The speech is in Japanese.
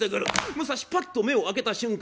武蔵パッと目を開けた瞬間